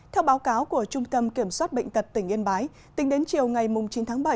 theo báo cáo của trung tâm kiểm soát bệnh tật tỉnh yên bái tính đến chiều ngày chín tháng bảy